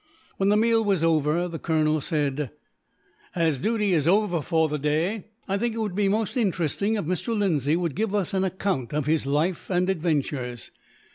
When the meal was over, the colonel said: "As duty is over for the day, I think it would be most interesting if Mr. Lindsay would give us an account of his life, and adventures.